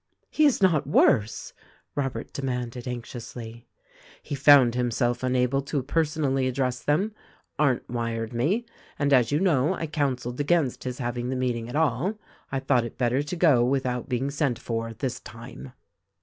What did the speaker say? "He is not worse?" Robert demanded anxiously. "He found himself unable to personally address them, Arndt wired me ; and as you know, I counseled against his having the meeting at all. I thought it better to go with out being sent for, this time."